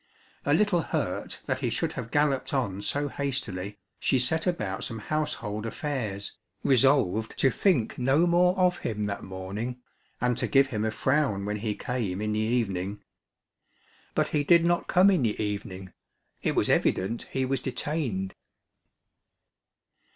A little hurt that he should have galloped on so hastily, she set about some household affairs, resolved to think no more of him that morning, and to give him a frown when he came in the evening. But he did not come in the evening; it was evident he was detained.